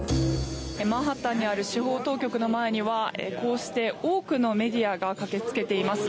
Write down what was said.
マンハッタンにある司法当局の前にはこうして、多くのメディアが駆けつけています。